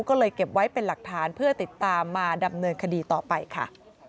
ก็เลยเก็บไว้เป็นหลักฐานเพื่อติดตามมาดำเนินคดีต่อไปค่ะ